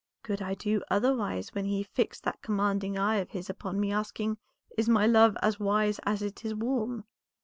"Could I do otherwise when he fixed that commanding eye of his upon me asking, 'Is my love as wise as it is warm?'